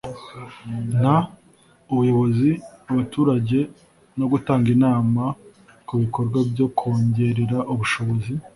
n ubuyobozi abaturage no gutanga inama ku bikorwa byo kongerera ubushobozi